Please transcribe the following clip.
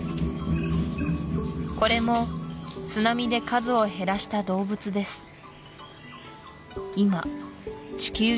これも津波で数を減らした動物です